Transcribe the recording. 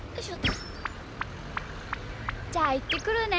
じゃあいってくるね。